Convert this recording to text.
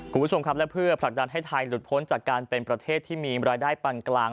คุณผู้ชมครับและเพื่อผลักดันให้ไทยหลุดพ้นจากการเป็นประเทศที่มีรายได้ปันกลาง